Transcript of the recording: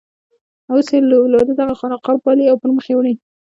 اوس یې اولاده دغه خانقاه پالي او پر مخ یې وړي.